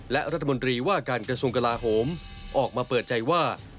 และรัฐมนตรีว่าการกระทรวงกลาโหมออกมาเปิดใจว่า